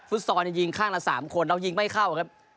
ซอลยิงข้างละ๓คนเรายิงไม่เข้าครับ